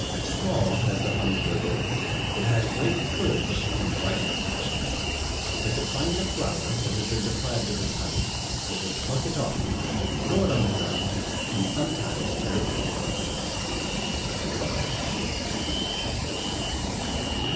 "Small as the humming bird is, it has great courage and violent passions. If it find a flower that has been deprived of its honey, it will pluck it off, throw it on the ground, and sometimes tear it to pieces." BUFFON.